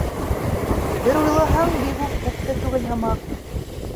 Бер уйлаһаң, бик үк күп тә түгел һымаҡ.